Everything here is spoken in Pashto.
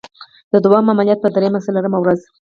د دوهم عملیات په دریمه څلورمه ورځ.